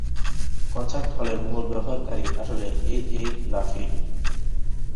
Concert হলের মুল ব্যবহারকারী আসলে এই এই লা ফিল।